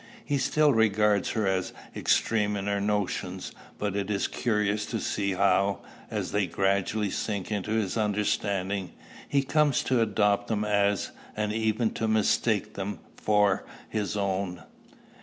He still regards her as extreme in her notions; but it is curious to see how, as they gradually sink into his understanding, he comes to adopt them as, and even to mistake them for, his own.